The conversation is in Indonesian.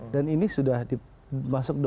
dan ini sudah dimasukin